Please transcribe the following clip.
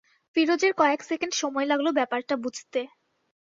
ফিরোজের কয়েক সেকেণ্ড সময় লাগল ব্যাপারটা বুঝতে।